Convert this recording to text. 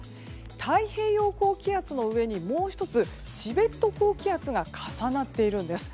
太平洋高気圧の上にもう１つ、チベット高気圧が重なっているんです。